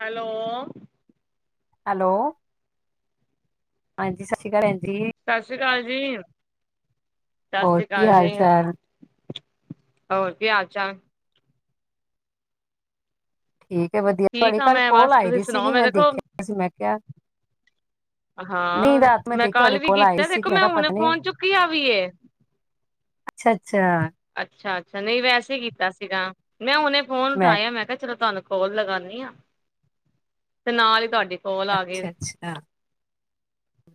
Hello'! Hello'! ਹਾਂਜੀ! ਸਤਿ ਸ਼੍ਰੀ ਅਕਾਲ! ਆਂਟੀ ਜੀ! ਸਤਿ ਸ੍ਰੀ ਅਕਾਲ ਜੀ'! ਸਤਿ ਹੋਰ ਸ੍ਰੀ ਕੀ ਅਕਾਲ ਹਾਲ ਜੀ। ਚਾਲ'। ਹੋਰ ਕੀ ਆਲ ਚਾਲ'। ਠੀਕ ਹੈ! ਵਧੀਆ ਠੀਕ ਤੁਹਾਡੀ ਆ ਕੱਲ ਮੈਂ ਕੋਲ ਬਸ ਆਈ ਤੁਸੀਂ ਦੀ ਸੁਣਾਓ ਸੀਗੀ ਮੈਂ ਦੇਖੋ ਦੇਖਿਆ ਸੀ! ਮੈਂ ਕਿਹਾ! ਨਹੀਂ ਹਾਂ! ਰਾਤ ਮੈਂ ਦੇਖਿਆ ਤੁਹਾਡੇ ਕੱਲ ਵੀ ਕੋਲ ਆਈ ਕੀਤਾ ਸੀ ਦੇਖੋ ਮੈਂ ਕਿਹਾ ਹੁਣੇ ਪਤਾ ਨੀ ਫੋਨ ਚੁੱਕਿਆ ਵੀ ਹੈ! ਅੱਛਾ- ਅੱਛਾ! ਅੱਛਾ'! ਅੱਛਾ'! ਨਹੀਂ ਵੈਸੇ ਹੀ ਕੀਤਾ 'ਸੀਗਾ ਮੈਂ ਹੁਨੇ ਫੋਨ ਉਠਾਇਆ ਮੈਂ ਕਿਹਾ ਚਲੋ ਤੁਹਾਨੂੰ! ਕੋਲ ਲਗਾਨੀ ਆ ਤੇ ਨਾਲ ਹੀ ਤੁਹਾਡੀ ਕੋਲ ਆ ਗਈ। ਅੱਛਾ ਅੱਛਾ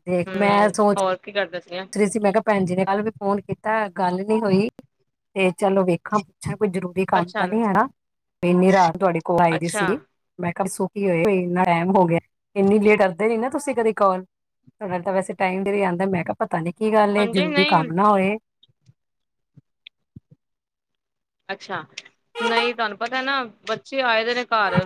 ਦੇਖ ਹੂੰ! ਮੈਂ ਜੀ! ਸੋਚ ਹੋਰ ਕੀ ਕਰਦਾ ਸੀਗਾ'। ਰਹੀ ਸੀ ਮੈਂ ਕਿਹਾ ਭੈਣ ਜੀ ਨੇ ਕੱਲ ਵੀ ਫੋਨ ਕੀਤਾ' ਗੱਲ ਨੀ ਹੋਈ ਤੇ' ਚਲੋ ਵੇਖਾਂ ਪੁੱਛਾਂ ਕੋਈ ਜ਼ਰੂਰ''। ਵੀ ਕੰਮ ਤਾਂ ਨਹੀਂ ਹੈ ਨਾ, ਇੰਨੀ ਰਾਤ ਤੁਹਾਡੀ ਕੋਲ ਆਈ ਦੀ ਅੱਛਾ-ਅੱਛਾ ਸੀਗੀ! ਮੈਂ ਕਿਹਾ ਸੁਖੀ ਹੀ ਹੋਏ ਇਨਾਂ ਟਾਈਮ ਹੋ ਗਿਆ! ਇੰਨੀ ਲੇਟ ਅਧਦੇ ਨੀ ਨਾ- ਤੁਸੀਂ ਕਦੇ ਕਾਲ! ਥੋੜ੍ਹਾ ਤਾਂ ਵੈਸੇ ਟਾਈਮ ਦੇ ਵੀ ਆਂਦਾ 'ਮੈਂ ਕਿਹਾ ਪਤਾ ਨੀ ਕੀ ਗੱਲ ਹੈ! ਹਾਂਜੀ ਜ਼ਰੂਰੀ ਨਹੀਂ ਕੰਮ ਨਾ ਹੋਏ! ਅੱਛਾ! ਨਹੀਂ ਤੁਹਾਨੂੰ ਪਤਾ ਨਾ- ਬੱਚੇ ਆਏ ਦੇ ਨੇ ਘਰ!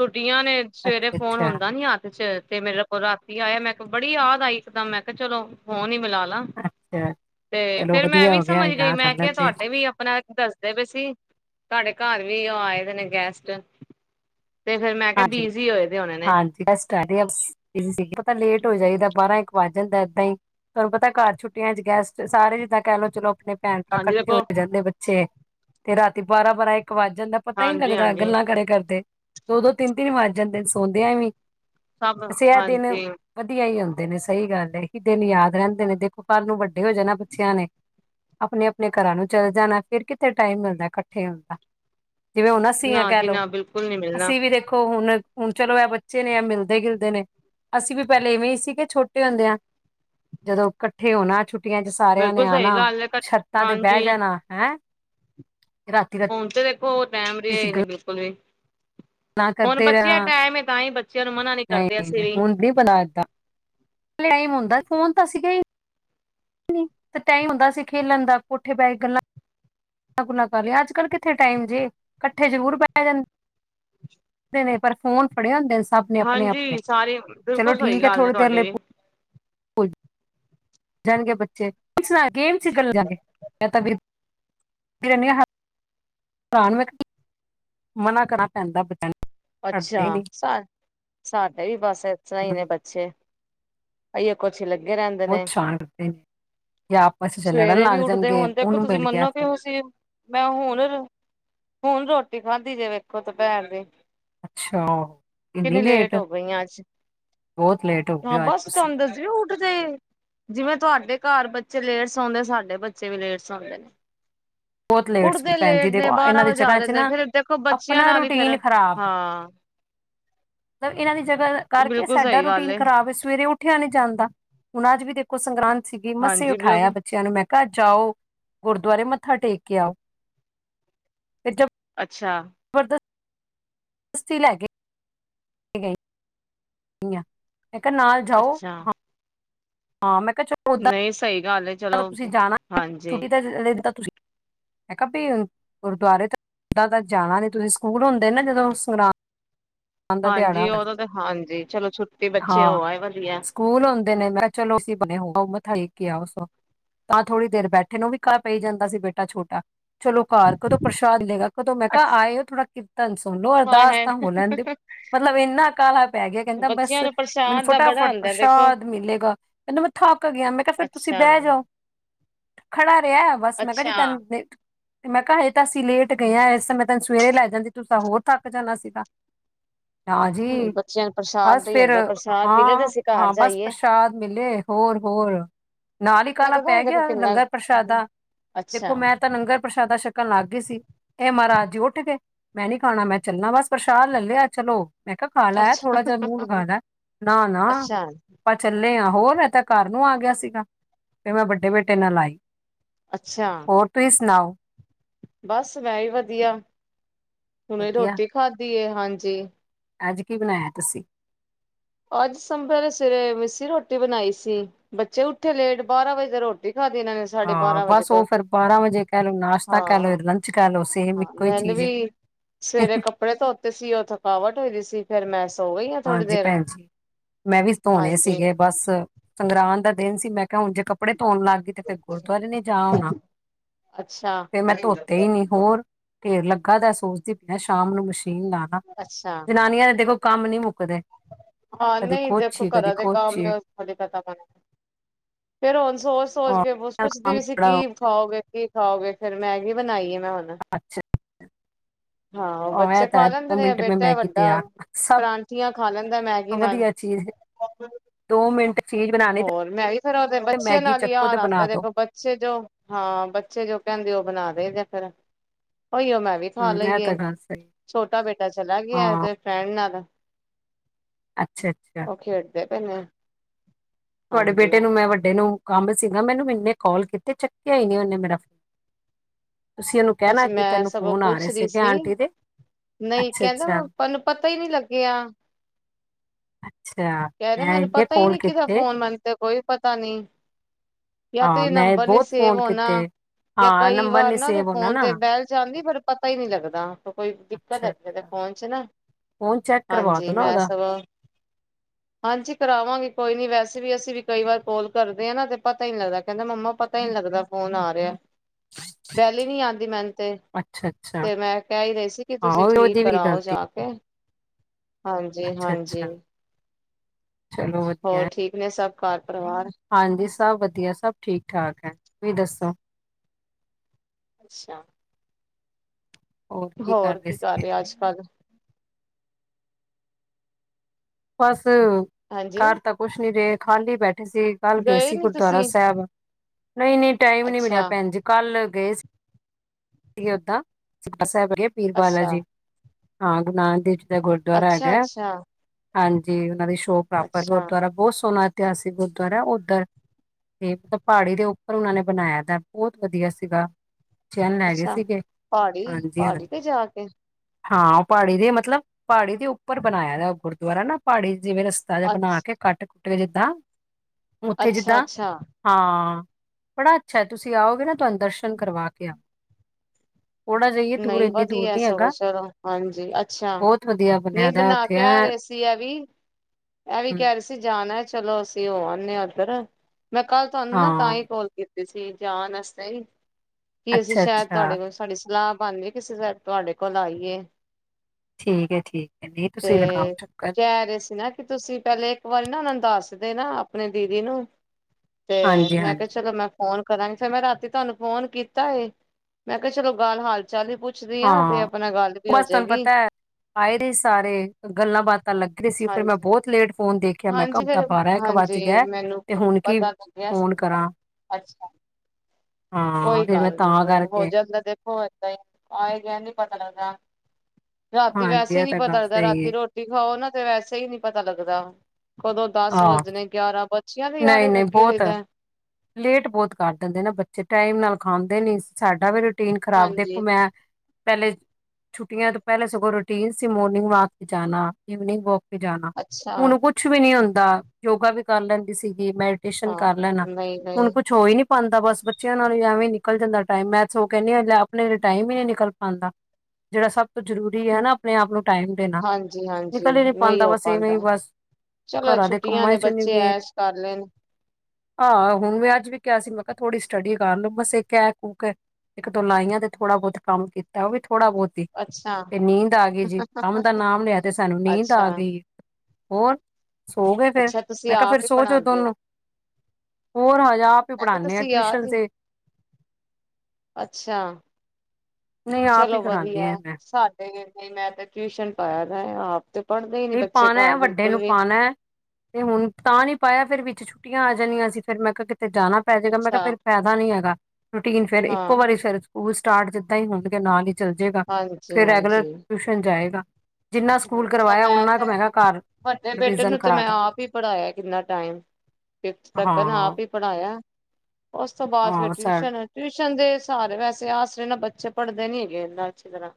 ਛੁੱਟੀਆਂ ਨੇ ਸਵੇਰੇ ਅੱਛਾ ਫੋਨ ਅੱਛਾ ਹੁੰਦਾ ਨੀ ਹੱਥ 'ਚ ਤੇ ਮੇਰੇ! ਉਹ ਰਾਤੀ ਆਇਆ'ਮੈਂ ਕਿਹਾ ਬੜੀ ਯਾਦ ਆਈ 'ਇੱਕਦਮ ਮੈਂ ਕਿਹਾ ਚਲੋ ਫੋਨ ਹੀ ਮਿਲਾ ਲਾ'। ਅੱਛਾ ਤੇ ਚਲੋ ਫੇਰ ਮੈਂ ਵਧੀਆ ਵੀ ਹੋ ਗਿਆ ਸਮਝ ਗਈ ਯਾਦ ਕਰ ਮੈਂ ਕਿਹਾ ਲੈਂਦੇ ਹੋ ਤੁਹਾਡੇ ਵੀ'। ਆਪਣਾ ਦੱਸਦੇ ਪਏ ਸੀ' ਤੁਹਾਡੇ ਘਰ ਵੀ ਉਹ ਆਏ ਦੇ ਨੇ ਗੈਸਟ! ਤੇ ਫੇਰ ਮੈਂ ਕਿਹਾ ਹਾਂਜੀ ਬਿਜੀ ਹੋਏ ਦੇ ਹੋਣੇ ਨੇ'। ਹਾਂਜੀ ਗੈਸਟ ਪਤਾ ਲੇਟ ਹੋ' ਜਾਈਦਾ ਬਾਰਾਂ- ਇੱਕ ਵੱਜ ਜਾਂਦਾ ਏਦਾਂ ਹੀ'। ਤੁਹਾਨੂੰ ਪਤਾ ਘਰ ਛੁੱਟੀਆਂ 'ਚ ਗੈਸਟ ਸਾਰੇ ਜਿੱਦਾਂ ਕਹਿ ਲੋ ਚਲੋ ਆਪਣੇ'। ਭੈਣ- ਭਰਾ ਹਾਂਜੀ ਇਕੱਠੇ ਹੋ ਦੇਖੋ ਜਾਂਦੇ 'ਬੱਚੇ ਤੇ ਰਾਤੀ ਬਾਰਾਂ- ਬਾਰਾਂ, ਇੱਕ ਵੱਜ ਜਾਂਦਾ'। ਪਤਾ ਹੀ ਨੀ ਹਾਂਜੀ ਲੱਗਦਾ' ਹਾਂਜੀ ਗੱਲਾਂ ਕਰੇ ਕਰਦੇ! ਦੋ- ਦੋ, ਤਿੰਨ- ਤਿੰਨ ਵਜ ਜਾਂਦੇ 'ਸੌਦਿਆਂ ਵੀ ਸਭ ਅਸੀ ਇਹ ਦਿਨ! ਹਾਂਜੀ ਵਧੀਆ ਹੀ ਹੁੰਦੇ ਨੇ -ਸਹੀ ਗੱਲ ਹੈ! ਇਹ ਹੀ ਦਿਨ ਯਾਦ ਰਹਿੰਦੇ ਨੇ- ਦੇਖੋ ਕੱਲ੍ਹ ਨੂੰ ਵੱਡੇ ਹੋ ਜਾਣਾ ਬਚਿਆ ਨੇ'। ਆਪਣੇ- ਆਪਣੇ ਘਰਾਂ ਨੂੰ ਚੱਲ ਜਾਣਾ 'ਫਿਰ ਕਿੱਥੇ ਟਾਈਮ ਮਿਲਦਾ ਇਕੱਠੇ ਹੋਣ ਦਾ! ਜਿਵੇਂ ਹੁਣ ਅਸੀਂ ਆ ਨਾ ਕਹਿ ਜੀ ਲਓ'! ਨਾ ਬਿਲਕੁਲ ਨੀ ਮਿਲਣਾ'। ਅਸੀਂ ਵੀ ਦੇਖੋ ਹੁਣ ਹੁਣ ਚਲੋ 'ਇਹ ਬੱਚੇ ਨੇ ਇਹ ਮਿਲਦੇ ਗਿਲਦੇ ਨੇ' ਅਸੀਂ ਵੀ ਪਹਿਲੇ ਇਵੇਂ ਹੀ ਸੀਗੇ ਛੋਟੇ ਹੁੰਦੇਆ ਜਦੋਂ ਇਕੱਠੇ ਹੋਣਾ ਛੁੱ ਟੀਆਂ ਚ ਸਾਰਿਆਂ ਨੇ ਬਿਲਕੁਲ ਸਹੀ ਆਣਾ ਗੱਲ ਹੈ ਛੱਤਾਂ ਤੇ ਬਹਿ ਹਾਂਜੀ ਜਾਣਾ ਹੇਅ ਹੁਣ ਤੇ ਦੇਖੋ ਟੈਮ ਰਿਹਾ ਅਸੀਂ ਈ ਨੀ ਬਿਲਕੁਲ ਵੀ ਗੱਲਾਂ ਹੁਣ ਕਰਦੇ ਬੱਚਿਆਂ ਰਹਿਣਾ ਟਾਇਮ ਤਾਂ ਹੀ ਬੱਚਿਆਂ ਨੂੰ ਮਨਾ ਨੀ ਕਰਦੇ ਅਸੀਂ ਨਹੀਂ ਵੀ' [unintelligible] ਟਾਇਮ ਹੁੰਦਾ ਫੋਨ ਤਾਂ ਸੀਗਾ ਹੀ' ਤੇ ਟਾਈਮ ਹੁੰਦਾ ਸੀ! ਖੇਲਣ ਦਾ ਕਠੇ ਬੈਕੇ ਗੱਲਾਂ ਗੁਲਾ ਕਰ ਲਈਆ ਅੱਜ ਕੱਲ ਕਿੱਥੇ ਟਾਈਮ ਜੀ ਇਕੱਠੇ ਜ਼ਰੂਰ ਬੈ ਜਾਂਦੇ' ਕਰਦੇ ਨੇ ਪਰ ਫੋਨ ਫੜਿਆ ਹੁੰਦੇ ਸਭ ਨੇ ਆਪੋ ਹਾਂਜੀ ਆਪਣੇ ਸਾਰੇ ਚਲੋ ਬਿਲਕੁਲ ਸਹੀ ਠੀਕ ਹੈ ਗੱਲ ਥੋੜ੍ਹੀ ਦੇਰ ਤੁਹਾਡੀ ਲਈ! ਵੀ [unintelligible] ਮਨਾ ਕਰਨਾ ਪੈਂਦਾ ਨੂੰ ਹਟਦੇ ਅੱਛਾ ਹੀ ਨੀ ਸਾ ਸਾਡੇ ਵੀ ਬਸ ਇਸ ਤਰਾਂ ਈ ਹੂੰ ਨੇ ਬੱਚੇ। ਐਈਓ ਕੁੱਛ ਲੱਗੇ ਰੈਂਦੇ ਨੇ। ਬਹੁਤ ਪਰੇਸ਼ਾਨ ਕਰਦੇ ਨੇ ਜਾਂ ਆਪਸ ਚ ਲੜਨ ਸਵੇਰੇ ਵੀ ਲੱਗ ਉੱਠਦੇ ਜਾਣਗੇ ਹੋਣ ਦੇਖੋ ਉਹਨੂੰ ਤੁਸੀਂ ਮਿਲ ਗਿਆ ਮੰਨੋਗੇ ਫੋਨ ਓ ਸੀਨ। ਮੈਂ ਹੁਣ-ਹੁਣ ਰੋਟੀ ਖਾਧੀ ਜੇ ਵੇਖੋ ਦੁਪੈਰ ਦੀ। ਅੱਛਾ ਇੰਨੀ ਕਿੰਨੀ ਲੇਟ ਹੋ ਗਈ ਆ ਅੱਜ ਬੋਤ ਲੇਟ ਹੋ ਗਏ ਓ ਅੱਜ ਤੁਸੀਂ। ਨੀ ਉੱਠਦੇ। ਜਿਵੇਂ ਤੁਹਾਡੇ ਘਰ ਬੱਚੇ ਲੇਟ ਸੌਂਦੇ, ਸਾਡੇ ਬੱਚੇ ਵੀ ਲੇਟ ਸੌਂਦੇ ਨੇ। ਬਹੁਤ ਲੇਟ ਸੁਣ ਉੱਠਦੇ ਭੈਣ ਲੇਟ ਜੀ ਨੇ ਦੇਖੋ ਬਾਰਾਂ ਇਹਨਾਂ ਦੇ ਵਜਾ ਚਰਾਂ ਚ ਦਿੰਦੇ ਨੇ ਨਾ ਫੇਰ ਦੇਖੋ ਬੱਚੇਆਂ ਆਪਣਾ ਨਾਲ ਈ ਫੇਰ, ਰੂਟੀਨ ਖ਼ਰਾਬ ਹਾਂ ਮਤਲਬ ਇਨਾਂ ਦੀ ਜਗ੍ਹਾ ਕਰਕੇ ਬਿਲਕੁਲ ਸਾਡਾ ਸਹੀ ਗੱਲ ਰੂਟੀਨ ਖ਼ਰਾਬ ਏ ਸਵੇਰੇ ਉੱ ਉੱਠਿਆ ਨੀ ਜਾਂਦਾ ਹੁਣ ਅੱਜ ਵੀ ਦੇਖੋ ਸੰਗਰਾਂਦ ਸੀਗੀ ਮੱਸੇ ਹਾਂਜੀ ਉਠਾਇਆ ਬਿਲਕੁਲ ਬ ਬੱਚਿਆਂ ਨੂੰ ਮੈਂ ਕਿਆ ਜਾਓ ਗੁਰਦੁਆਰੇ ਮੱਥਾ ਟੇਕ ਕੇ ਆਓ। ਅੱਛਾ। ਬਰਦ ਅਸੀ ਲੈਗੇ। ਕੇ ਗਈ ਆਂ ਮੈਂ ਕਿਆ ਨਾਲ ਜਾਓ ਅੱਛਾ ਹਾਂ ਮੈਂ ਕਿਆ ਚ ਨਈ ਸਈ ਗੱਲ ਏ। ਚਲੋ [unintelligible] ਤੁਸੀਂ ਜਾਣਾ ਹਾਂਜੀ ਛੁੱਟੀ ਦਾ ਦਿਨ ਤਾਂ ਤੁਸੀਂ ਮੈਂ ਕਿਆ ਭੀ ਗੁਰਦੁਆਰੇ ਤਾਂ [unintelligible] ਤਾਂ ਜਾਣਾ ਨੀ ਤੁਸੀਂ ਸਕੂਲ ਹੁੰਦੇ ਨਾ ਜਦੋਂ ਸੰਗਰਾਂ ਹਾਂਜੀ ਓਦਾ ਤਾਂ ਹਾਂਜੀ ਚਲੋ ਛੁੱਟੀ ਬੱਚੇ ਹਾਂ ਹੋ ਆਏ ਵਦੀਐ। ਸਕੂਲ ਹੁੰਦੇ ਨੇ ਮੈਂ ਕਿਆ ਚਲੋ [unintelligible] ਮੱਥਾ ਟੇਕ ਕੇ ਆਓ ਸੋ ਤਾਂ ਥੋੜੀ ਦੇਰ ਬੈਠੇ ਨੂੰ ਵੀ ਘਾਹ ਪਈ ਜਾਂਦਾ ਸੀ ਬੇਟਾ ਛੋਟਾ। ਚਲੋ ਘਰ ਕਦੋਂ ਪ੍ਰਸ਼ਾਦ ਮਿਲੇਗਾ ਕਦੋਂ, ਮੈਂ ਕਿਆ ਆਏ ਥੋੜਾ ਕੀਰਤਨ ਸੁਣ ਲਓ ਹਾਏ ਅਰਦਾਸ ਹਾਏ ਤਾਂ ਹੋ ਲੈਣਦੋ। ਮਤਲਬ ਏਨਾ ਕਾਲਾ ਪੈ ਗੇਆ ਕੈਂਦਾ ਬਸ ਬੱਚਿਆਂ ਨੂੰ ਮੈਨੂੰ ਪ੍ਰਸ਼ਾਦ ਦਾ ਬੜਾ ਫਟਾਫਟ ਆਉਂਦਾ ਦੇਖੋ ਪ੍ਰਸ਼ਾਦ ਮਿਲੇਗਾ ਕੇਨਾ ਮੈਂ ਥੱਕ ਗਿਆ ਮੈਂ ਕਿਆ ਫਿਰ ਤੁਸੀਂ ਅੱਛਾ ਬੈ ਜਾਓ। ਖੜਾ ਰਿਆ ਬਸ ਮੈਂ ਕਿਆ ਅੱਛਾ ਜੇ ਤੈਨ ਮੈਂ ਕਿਆ ਹਜੇ ਤਾਂ ਅਸੀਂ ਲੇਟ ਗਏ ਆ ਏਸ ਸਮੇਂ, ਤੈਨੂੰ ਸਵੇਰੇ ਲੈ ਜਾਂਦੀ ਤੁਸੀਂ ਹੋਰ ਥੱਕ ਜਾਣਾ ਸੀਗਾ। ਹਾਂਜੀ ਬੱਚਿਆਂ ਨੂੰ ਪ੍ਰਸ਼ਾਦ ਬਸ ਦਾ ਹੀ ਫਿਰ ਹੁੰਦਾ ਪ੍ਰਸ਼ਾਦ ਮਿਲੇ ਤੇ ਅਸੀਂ ਘਰ ਹਾਂ-ਹਾਂ ਬਸ ਜਾਈਏ ਪ੍ਰਸ਼ਾਦ ਮਿਲੇ। ਹੋਰ-ਹੋਰ। ਨਾਲ ਈ ਕਾਲਾ ਲੱਗਦਾ ਪੈ ਵੀ ਦੇਖੋ ਗਿਆ ਕਿੰਨਾ ਲੰਗਰ ਪ੍ਰਸ਼ਾਦਾ ਅੱਛਾ ਦੇਖੋ ਮੈਂ ਤਾਂ ਲੰਗਰ ਪ੍ਰਸ਼ਾਦਾ ਸ਼ ਕਨ ਲਾਗੀ ਸੀ ਏ ਮਾਰਾਜ ਜੀ ਉੱਠ ਗਏ ਮੈਂ ਨੀ ਖਾਨਾ ਮੈਂ ਚੱਲਨਾ ਬਸ ਪ੍ਰਸ਼ਾਦ ਲੈ ਲਿਆ ਚਲੋ। ਮੈਂ ਕਿਆ ਖਾ ਲੈ ਅੱਛਾ ਥੋੜਾ ਜੇਹਾ ਮੂੰ ਲਗਾ ਲੈ ਨਾ-ਨਾ। ਅੱਛਾ ਆਪਾਂ ਚੱਲੇ ਆ, ਹੋਰ ਏ ਤਾਂ ਘਰ ਨੂੰ ਆ ਗਿਆ ਸੀਗਾ ਫੇ ਮੈਂ ਵੱਡੇ ਬੇਟੇ ਨਾਲ ਆਈ। ਅੱਛਾ। ਹੋਰ ਤੁਸੀਂ ਸੁਣਾਓ। ਬਸ ਮੈ ਵੀ ਵਧੀਆ ਹੁਣੇ ਵਧੀਆ ਰੋਟੀ ਖਾਦੀ ਹਾਂਜੀ ਅੱਜ ਕੀ ਬਣਾਇਆ ਤੁਸੀ। ਅੱਜ ਪਹਿਲੇ ਸਵੇਰੇ ਮੀਸੀ ਰੋਟੀ ਬਣਾਈ ਸੀ। ਬੱਚੇ ਉਠੇ ਲੇਟ ਬਾਰਾਂ ਵਜੇ ਤੇ ਰੋਟੀ ਖਾਦੀ ਇਹਨਾਂ ਨੇ। ਸਾਢੇ ਹਾਂ ਬਾਰਾਂ ਵਜੇ ਬਸ ਕੋਲ ਉਹ ਫੇਰ ਬਾਰਾਂ ਵਜੇ ਕਹਿ ਲੋੋ ਨਾਸ਼ਤਾ ਕਹਿ ਲਓ ਹਾਂ ਲੰਚ ਕਹਿ ਲਓ ਸੇਮ ਹਾਂ ਇੱਕੋ ਈ ਮੈਨੂੰ ਚੀਜ ਵੀ ਏ। ਸਵੇਰੇ ਕੱਪੜੇ ਧੋਤੇ ਸੀ ਉਹ ਥਕਾਵਟ ਹੋਈ ਵੀ ਸੀ। ਫੇਰ ਮੈ ਸੋ ਗਈ ਆ। ਥੋੜੀ ਹਾਂਜੀ ਦੇਰ ਭੈਣ ਜੀ ਮੈ ਵੀ ਧੋਣੇ ਹਾਂਜੀ ਸੀਗੇ। ਬਸ ਸੰਗਰਾਂਦ ਦਾ ਦਿਨ ਸੀ ਮੈ ਕਿਹਾ ਹੁਣ ਜੇ ਕੱਪੜੇ ਧੋਣ ਲੱਗ ਗਈ। ਤੇ ਫੇਰ ਗੁਰਦੁਆਰੇ ਨੀ ਜਾ ਹੋਣਾ ਅੱਛਾ ਫੇਰ ਮੈ ਧੋਤੇ ਈ ਨੀ। ਹੋਰ ਢੇਰ ਲੱਗਾ ਦਾ ਸੋਚਦੀ ਪਿਆ ਸ਼ਾਮ ਨੂੰ ਮਸ਼ੀਨ ਲਾ ਲਾ ਅੱਛਾ ਜਨਾਨੀਆਂ ਨੇ ਦੇਖੋ ਕੰਮ ਨੀ ਮੁੱਕਦੇ। ਹਾਂ ਕਦੀ ਨਹੀ ਕੁਛ ਦੇਖੋ ਈ ਕਦੀ ਕਰਾਂ ਦੇ ਕੰਮ ਕੁਛ ਈ ਉਸ ਫਟਾ ਫਟ ਫੇਰ ਹੁਣ ਸੋਚ ਸੋਚ ਕੇ ਪੁੱਛ ਕੰਮ ਪੁੱਛਦੀ ਸੀ ਬੜਾ ਕੀ ਖਾਓਗੇ ਕੀ ਖਾਓਗੇ ਫੇਰ ਮੈਗੀ ਬਣਾਈਏ ਮੈ ਹ ਅੱਛਾ ਹਾਂ ਉਹ ਬੱਚੇ ਤਾਂ ਖਾ ਹੈ ਲੈਂਦੇ ਦੋ ਨੇ ਮਿੰਟ ਮੈਂ ਬੇਟਾ ਮੈਗੀ ਵੱਡਾ ਤਿਆਰ ਸਭ ਪਰਾਂਠੀਆਂ ਖਾ ਲੈਂਦਾ ਮੈਂ ਵਧੀਆ ਚੀਜ਼ ਦੋਮਿੰਟ ਚੀਜ਼ ਬਣਾਣੀ ਤੇ ਹੋਰ ਮੈਂ ਵੀ ਫੇਰ ਉਹ ਤੇ ਬੱਚਿਆਂ ਮੈਗੀ ਨਾਲ ਈ ਚੱਕੋ ਤੇ ਅਹਾਰ ਬਣਾ ਆਉਂਦਾ ਦੋ ਦੇਖੋ ਬੱਚੇ ਜੋ ਹਾਂ ਬੱਚੇ ਜੋ ਕਹਿੰਦੇ ਉਹ ਬਣਾ ਦੇਦੇ ਫਿਰ ਉਹੀਓ ਮੈ ਵੀ ਖਾ ਹਮ ਇਹ ਤਾਂ ਲਈਏ ਗੱਲ ਸਹੀ ਛੋਟਾ ਬੇਟਾ ਚਲਾ ਗਿਆ ਹਾਂ ਉਹਦੇ ਫਰੈਂਡ ਨਾਲ ਅੱਛਾ, ਅੱਛਾ ਉਹ ਖੇਡਦੇ ਪਏ ਨੇ ਤੁਹਾਡੇ ਹਾਂਜੀ ਬੇਟੇ ਨੂੰ ਮੈਂ ਵੱਡੇ ਨੂੰ ਕੰਮ ਸੀਗਾ। ਮੈਨੂੰ ਇੰਨੇ ਕਾਲ ਕੀਤੇ ਚੱਕਿਆ ਈ ਨੀ ਉਹਨੇ ਮੇਰਾ ਫੋਨ ਤੁਸੀਂ ਇਹਨੂੰ ਕਹਿਣਾ ਅੱਛਾ ਕਿ ਮੈਂ ਤੈਨੂੰ ਸਗੋਂ ਫ਼ੋਨ ਆ ਰਹੇ ਪੁੱਛ ਰਹੀ ਸੀਗੇ ਸੀ ਆਂਟੀ ਦੇ ਨਹੀਂ ਅੱਛਾ ਕਹਿੰਦਾ ਅੱਛਾ ਮੈਨੂੰ ਪਤਾ ਈ ਨੀ ਲੱਗਿਆ ਅੱਛਾ ਕਹਿ ਰਿਹੇ ਮੈਂ ਮੈਨੂੰ ਇੰਨੇ ਪਤਾ ਈ ਕਾਲ ਨੀ ਕਿਦਾ ਕੀਤੇ ਫੋਨ ਮੈਨੂੰ ਤਾਂ ਕੋਈ ਪਤਾ ਨੀ ਯ ਹਾਂ ਤੇ ਮੈਂ ਨੰਬਰ ਨੀ ਬਹੁਤ ਸੇਵ ਫੋਨ ਹੋਣਾ ਕੀਤੇ ਜਾਂ ਹਾਂ ਕਈ ਨੰਬਰ ਵਾਰ ਨੀ ਨਾ ਉਦੇ ਸੇਵ ਹੋਣਾ ਫੋਨ ਨਾ ਤੇ ਬੈਲ ਜਾਂਦੀ ਪਰ ਪਤਾ ਈ ਨਹੀਂ ਲੱਗਦਾ ਕੋਈ ਦਿਕਤ ਅੱਛਾ ਏ ਐਦੇ ਅੱਛਾ ਫੋਨ ਚ ਨਾ ਫੋਨ ਚੈੱਕ ਕਰਵਾ ਦੋ ਹਾਂਜੀ ਨਾ ਮੈਂ ਉਹਦਾ ਸ ਹਾਂਜੀ ਕਰਾਵਾਂਗੇ ਕੋਈ ਨੀ ਵੈਸੇ ਵੀ ਅਸੀਂ ਵੀ ਕਈ ਵਾਰ ਕੋਲ ਕਰਦੇ ਆ ਨਾ ਤੇ ਪਤਾ ਈ ਲੱਗਦਾ ਕਹਿੰਦਾ ਮੰਮਾ ਪਤਾ ਨੀ ਲੱਗਦਾ। ਫੋਨ ਆ ਰਿਹਾ ਵੈਲ ਈ ਨੀ ਆਦੀ ਮੈਨ ਤੇ ਅੱਛਾ ਅੱਛਾ ਤੇ ਮੈਂ ਕਹਿ ਈ ਰਹੀ ਸੀ, ਕਿ ਹਾਂ ਤੁਸੀਂ ਉਹ ਠੀਕ ਉਹਦੀ ਵੀ ਕਰਾਓ ਗਲਤੀ ਜਾ ਕੇ ਹਾਂਜੀ, ਅੱਛਾ ਹਾਂਜੀ। ਅੱਛਾ ਚਲੋ ਵਧੀਆ ਹੋਰ ਹੈ। ਠੀਕ ਨੇ ਸਭ ਘਰ ਪਰਿਵਾਰ? ਹਾਂਜੀ ਸਭ ਵਧੀਆ ਸਭ ਠੀਕ-ਠਾਕ ਐ ਤੁਸੀ ਦੱਸੋ? ਅੱਛਾ। ਹੋਰ ਕੀ ਕਰ ਰੇ ਆੱਜ-ਕਾੱਲ? ਬਸ, ਹਾਂਜੀ ਕਰ ਤਾਂ ਕੁਛ ਨੀ ਰੇ, ਖਾਲੀ ਬੈਠੇ ਸੀ। ਕਾੱਲ ਗਏ ਸੀ ਨੀ ਗੁਰਦੁਆਰਾ ਤੁਸੀਂ ਸੈਬ। ਨਈ-ਨਈ ਟੈਮ ਨੀ ਮਿਲਿਆ ਅੱਛਾ ਪੈਨਜ ਕਾੱਲ ਗਏ ਸੀ ਗੇ ਓਦਾਂ [unintelligible] ਸੈਬ ਪੀਰ ਬਾਲਾ ਅੱਛਾ ਜੀ ਹਾਂ ਗੁਰੂ ਨਾਨਕ ਦੇਵ ਜੀ ਦਾ ਗੁਰਦੁਆਾਰ ਅੱਛਾ ਹੈਗੈ। ਅੱਛਾ ਹਾਂਜੀ, ਓਨਾਂ ਦੀ ਸ਼ੋਅ ਪ੍ਰਾਪਰ ਅੱਛਾ ਗੁਰਦੁਆਰਾ ਬੋਤ ਸੋਨਾ ਏਤਿਹਾਸਿਕ ਗੁਰਦੁਆਰੈ ਓਧਰ ਤੇ ਮਤਲਬ ਪਾੜੀ ਦੇ ਉੱਪਰ ਓਨਾਂ ਨੇ ਬਨਾਇਆ ਦਾ ਐ ਬੋਤ ਵਧੀਆ ਸੀਗਾ। ਚਿਆਂ ਨੂੰ ਲੈ ਗਏ ਅੱਛਾ ਸੀਗੇ। ਪਹਾੜੀ ਹਾਂਜੀ, ਹਾਂ ਪਹਾੜੀ ਤੇ ਜਾ ਕੇ ਹਾਂ ਓ ਪਾੜੀ ਦੇ ਮਤਲਬ ਪਾੜੀ ਦੇ ਉੱਪਰ ਬਨਾਇਆ ਦੈ ਗੁਰਦੁਆਰਾ ਨਾ ਪਾੜੀ ਜਿਵੇਂ ਰਸ ਤਾ ਜਾ ਬਨਾ ਅੱਛ ਕੇ ਕੱਟ ਕੁੱਟ ਕੇ ਜਿੱਦਾਂ, ਓਥੇ ਅੱਛਾ ਜਿੱਦਾਂ ਅੱਛਾ ਹਾਂ, ਬੜਾ ਅੱਛਾ ਐ। ਤੁਸੀ ਆਓਗੇ ਨਾ ਤੁਆਨੂੰ ਦਰਸ਼ਨ ਕਰਵਾ ਕੇ ਆ ਥੋੜਾ ਜਾਈਏ ਦੂਰ ਨਈ ਇੰਨੀ ਦੂਰ ਵਧੀਐ ਨੀ ਸਗੋਂ ਹੈਗਾ ਚਲੋ ਹਾਂਜੀ ਅੱਛਾ, ਬਹੁਤ ਵਧੀਆ ਨਈ ਬਣਿਆ ਦਾ ਬਨਾ, ਉੱਥੇ ਐ ਕੈ ਰਏ ਸੀ ਐ ਵੀ। ਐ ਵੀ ਹੂੰ, ਕੈ ਰੇ ਸੀ ਜਾਨੈ, ਚਲੋ ਅਸੀ ਹੋ ਆਨੇ ਆਂ ਓਧਰ। ਮੈਂ ਕਾੱਲ ਤੁਆਨੂੰ ਨਾ ਤਾਂ ਹਾਂ, ਈ ਕੌਲ ਕੀਤੀ ਸੀ ਜਾਨ ਆਸਤੇ ਹੀ ਕਿ ਅਸੀ ਸ਼ਾਇਦ ਅੱਛਾ-ਅੱਛਾ ਤੁਆਡੇ ਕੌਲ ਸਾਡੀ ਸਲਾ ਬਨ ਜੇ ਕਿਸੀ ਸ ਤੁਆਡੇ ਕੋਲ ਆਈਏ। ਠੀਕ ਹੈ, ਠੀਕ ਹੈ ਨਹੀਂ ਤੇ ਤੁਸੀਂ ਲਗਾਓ ਚੱਕਰ ਕੈ ਰੇ ਸੀ ਨਾ ਕਿ ਤੁਸੀ ਪੈਲੇ ਇੱਕ ਵਾਰੀ ਨਾ ਓਨਾਂ ਨੂੰ ਦੱਸ ਦੇਨਾ ਆਪਣੀ ਦੀਦੀ ਨੂੰ ਤੇ ਮੈਂ ਕਿਆ ਹਾਂਜੀ-ਹਾਂਜੀ ਚਲੋ ਮੈਂ ਫੋਨ ਕਰਾਂਗੀ ਫੇਰ ਮੈਂ ਰਾਤੀ ਤੁਆਨੂੰ ਫੋਨ ਕੀਤਾ ਏ। ਮੈਂ ਕਿਆ ਚਲੋ ਗੱਲ ਹਾਲ ਚਾਲ ਈ ਪੁੱਛ ਦੀ ਆਂ ਤੇ ਹਾਂ, ਆਪਣਾ ਗੱਲ ਵੀ ਹੋ ਬਸ ਤੁਹਾਨੂੰ ਜੇਗੀ। ਪਤਾ ਹੈ ਆਏ ਦੇ ਸਾਰੇ ਗੱਲਾਂ ਬਾਤਾਂ ਲੱਗ ਰੇ ਸੀ। ਫੇਰ ਮੈਂ ਹਾਂਜੀ ਬੋਤ ਲੇਟ ਫੋਨ ਦੇਖ ਹਾਂਜੀ ਫੇਰ ਹਾਂਜੀ ਮੈਨੂੰ ਤੇ ਪ ਹੁਣ ਕੀ ਪਤਾ ਲੱਗਿਆ ਸੀ। ਫੋਨ ਕਰਾਂ ਅੱਛਾ। ਹਾਂ, ਕੋਈ ਫਿਰ ਮੈਂ ਗੱਲ ਨੀ, ਤਾਂ ਕੋਈ ਹੋ ਕਰਕੇ ਜਾਂਦੈ ਤੇ ਓ ਐਦਾਂ ਈ ਆਏ ਗਿਆਂ ਨੀ ਪਤਾ ਲੱਗਦਾ। ਰਾਤੀ ਹਾਂਜੀ ਵੈਸੇ ਇਹ ਨੀ ਤਾਂ ਪਤਾ ਗੱਲ ਲੱਗਦਾ ਸਹੀ ਰਾਤੀ ਹੈ ਰੋ ਟੀ ਖਾਓ ਨਾ ਤੇ ਵੈਸੇ ਈ ਨੀ ਪਤਾ ਲੱਗਦਾ ਕਦੋਂ ਦਸ ਆਹ ਵੱਜਨੇ ਗਿਆਰਾਂ, ਬੱਚੀਆਂ ਦੇ ਈ ਆਰੇ ਨਹੀਂ-ਨਹੀਂ ਲੱਗੇ ਰਈ ਬਹੁਤ ਦੈ। ਲੇਟ ਬੋਤ ਕਰ ਦਿੰਦੇ ਨਾ ਬੱਚੇ। ਟਾਈਮ ਨਾਲ ਖਾਂਦੇ ਨੀ। ਸਾਡਾ ਵੀ ਰੋਟੀਨ ਖਰਾਬ। ਦੇਖੋ ਹਾਂਜੀ। ਮੈਂ ਪੈਲੇ ਛੁੱਟੀਆਂ ਤੋਂ ਪੈਲੇ ਸਗੋਂ ਰੋਟੀਨ ਸੀ ਮੋਰਨਿੰਗ ਵਾਕ ਤੇ ਜਾਨਾ ਇਵਨਿੰਗ ਵੋਕ ਤੇ ਜਾਨਾ। ਅੱਛਾ ਹੂਨ ਕੁਛ ਵੀ ਨੀ ਹੁੰਦਾ। ਯੋਗਾ ਵੀ ਕਰ ਲੈਂਦੀ ਸੀਗੀ, ਮੈਡੀਟੇਸ਼ਨ ਹਾਂ ਕਰ ਲੈਨਾ ਨਹੀਂ ਨਹੀਂ ਛ ਹੋ ਈ ਨੀ ਪਾਂਦਾ। ਬਸ ਬੱਚਿਆਂ ਨਾਲ ਹੀ ਐਵੇਂ ਨਿਕਲ ਜਾਂਦੈ ਟਾਈਮ। ਮੈਂ ਸਗੋਂ ਕੈਨੀਂ ਆਂ ਲੈ ਆਪਣੇ ਲੀ ਟਾਈਮ ਈ ਨੀ ਨਿਕਲ ਪਾਂਦਾ। ਜੜਾ ਸਭ ਤੋਂ ਜ਼ਰੂਰੀ ਐ ਨਾ ਆਪਣੇ ਆਪ ਨੂੰ ਟਾਈਮ ਦੇਨਾ ਹਾਂਜੀ ਹਾਂਜੀ ਨਿਕਲ ਈ ਨੀ ਨਹੀਂ ਪਾਂਦਾ। ਹੋ ਬਸ ਇਵੇਂ ਪਾਉਂਦਾ। ਈ ਬਸ ਚਲੋ ਘਰਾਂ ਦੇ ਛੁੱਟੀਆਂ ਕੰਮਾਂ ਨੇ ਇੱਚੋਂ ਨੀ ਬੱਚੇ ਵੇਲ਼ ਐਸ਼ ਕਰ ਲੈਨ ਆ ਹੁਨ ਮੈਂ ਆੱਜ ਵੀ ਕਿਆ ਸੀ ਮੈਂ ਕਿਆ ਥੋੜੀ ਸਟੱਡੀ ਕਰ ਲੋ ਬਸ ਏ ਕੈ ਕੂ ਕੇ ਏੱਕ-ਦੋ ਲਾਈਆਂ ਤੇ ਥੋੜਾ ਬੋਤ ਕੰਮ ਕੀਤਾ, ਓ ਵੀ ਥੋੜਾ ਬੋਤ। ਅੱਛਾ ਤੇ ਨੀਂਦ ਆ ਗਈ ਜੀ, ਕੰਮ ਦਾ ਨਾਮ ਲਿਐ ਤੇ ਸਾਨੂੰ ਨੀਂਦ ਅੱਛਾ। ਆ ਗਈ ਏ। ਹੋਰ ਸੋ ਗੇ ਫੇਰ। ਅੱਛਾ ਤੁਸੀਂ ਮੈਂ ਕਿਆ ਫੇਰ ਆਪ ਹੀ ਸੋ ਜੋ ਪੜ੍ਹਾਉਂਦੇ ਹੋ ਦੋਨੋ। ਹੋਰ ਹਜੇ ਆਪ ਹੀ ਮੈਂ ਕਿਹਾ ਪੜ੍ਹਾਨੇ ਆ ਤੁਸੀਂ ਟਿਊਸ਼ਨਸ ਜੀ ਤੇ ਅੱਛਾ। ਨਹੀਂ ਆਪ ਹੀ ਚਲੋ ਕਰਾਉਂਦੀ ਵਧੀਐ। ਆ ਮੈਂ ਸਾਡੇ [unintelligible] ਮੈਂ ਤੇ ਟਿਊਸ਼ਨ ਪਾਇਆ ਦੈ ਆਪ। ਤੇ ਪੜ੍ਹਦੇ ਈ ਨੀ ਨਹੀਂ ਬੱਚੇ ਪਾਉਣਾ ਘਾਰ ਵੱਡੇ ਬਿਲਕੁਲ ਨੂੰ ਵੀ। ਪਾਉਣਾ ਤੇ ਹੁਨ ਤਾਂ ਨੀ ਪਾਇਆ ਫੇਰ ਵਿੱਚ ਛੁੱਟੀਆਂ ਆ ਜਾਨੀਆਂ ਸੀ ਫੇਰ ਮੈਂ ਕਿਆ ਕਿਤੇ ਜਾਨਾ ਪੈ ਜੇਗਾ। ਮੈਂ ਕਿਆ ਅੱਛਾ। ਫੇਰ ਫੈਦਾ ਨੀ ਹੈਗਾ। ਰੋਟੀਨ ਫੇਰ ਇੱਕੋ ਹਾਂ ਵਾਰੀ ਸਵੇਰੇ ਸਕੂਲ ਸਟਾਰਟ ਜਿੱਦਾਂ ਹੀ ਹੂਨਗੇ ਨਾਲ ਈ ਚੱਲ ਜੇਗਾ ਫੇਰ ਰੈਗੂਲਰ ਹਾਂਜੀ-ਹਾਂਜੀ ਟਿਊਸ਼ਨ ਜਾਏਗਾ ਜਿੰਨਾ ਸਕੂਲ ਕਰਵਾਇਆ ਓ- ਅਛਾ ਵੱਡੇ ਬੇਟੇ ਨੂੰ ਤੇ ਮੈਂ ਦਾ ਆਪ ਹੀ ਪੜਾਇਆ ਕਿੰਨਾ ਟਾਈਮ। ਫਿਫਥ ਤੱਕ ਨਾ ਹਾਂ ਆਪ ਹੀ ਪੜਾਇਆ, ਉਸ ਤੋਂ ਬਾਅਦ ਫੇਰ ਹਾਂ ਸਰ ਟਿਊਸ਼ਨ। ਟਿਊਸ਼ਨ ਦੇ ਸਹਾਰੇ ਵੈਸੇ ਆਸਰੇ ਨਾ ਬੱਚੇ ਪੜਦੇ ਨੀ ਹੈਗੇ ਇਨਾ ਅੱਛੀ ਤਰਾਂ।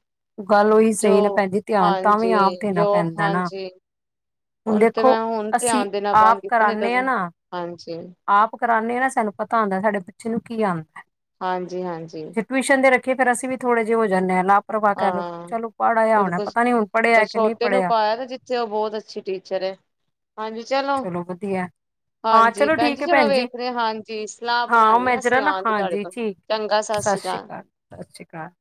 ਗੱਲ ਉਹੀ ਸਹੀ ਨਾ ਭੇਂਜੀ ਧਿਆਨ ਤਾਂ- ਵੀ ਜੀ ਆਪ ਜੋ ਦੇਣਾ ਪੈਂਦਾ ਨਾ ਹਾਂਜੀ। ਹੁਣ ਤੇ ਦੇਖੋ ਮੈਂ ਹੁਣ ਅਸੀਂ ਧਿਆਨ ਦੇਣਾ ਬੰਦ ਆਪ ਕੀਤੇ ਨਹੀਂ ਤੇ, ਕਰਾਨੇ ਆ ਨਾ ਹਾਂਜੀ ਆਪ ਕਰਾਉਂਦੇ ਹੈ ਨਾ ਸਾਨੂੰ ਪਤਾ ਹੋਂਦਾ ਸਾਡੇ ਬੱਚੇ ਨੂੰ ਕੀ ਆਉਂਦਾ। ਹਾਂਜੀ- ਹਾਂਜੀ। ਟਿਊਸ਼ਨ ਦੇ ਰਖੀ ਫੇਰ ਅਸੀਂ ਵੀ ਥੋੜੇ ਜਿਹੇ ਹੋ ਜਾਂਨੇ ਹਾਂ ਨਾ। ਪ੍ਰਵਾ ਕਹਿ ਲਓ ਕਿ ਹਾਂ ਚਲੋ ਪੜ ਆਯਾ ਹੋਣਾ ਬਿਲਕੁਲ ਪਤਾ ਨੀ ਹੁਣ ਪੜਿਆ ਕਿ ਨਹੀਂ ਪੜਿਆ। ਤੇ ਉਹ ਬਹੁਤ ਅੱਛੀ ਟੀਚਰ ਹੈ, ਹਾਂਜੀ ਚਲੋ, ਹਾਂ ਹਾਂਜੀ ਚਲੋ ਭੈਣ ਜੀ ਠੀਕ ਹੈ ਚਲੋ ਵੇਖਦੇ ਹ ਹਾਂਜੀ ਸਲਾਹ ਬਣਾਉਦੇ ਮੈਂ ਹਾਂ ਅਸੀਂ ਜਰਾ ਨਾ ਆਂਣ ਦੀ ਤੁਹਾਡੇ ਹਾਂਜੀ ਕੋਲ। ਠੀਕ ਚੰਗਾ ਸਤਿ ਸ੍ਰੀ ਅਕਾਲ। ਸਤਿ ਸ਼੍ਰੀ ਅਕਾਲ।